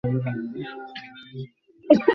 সাত সন্তানের জন্মের সাথে তার পরিবারটি বেড়ে ওঠে।